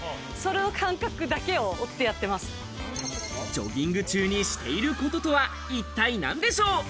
ジョギング中にしていることとは一体なんでしょう。